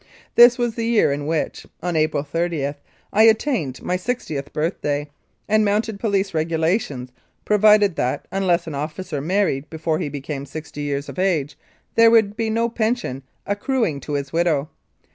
This was the year in which, on April 30, I attained my sixtieth birth day, and Mounted Police Regulations provided that, unless an officer married before he became sixty years of age there would be no pension accruing to his widow.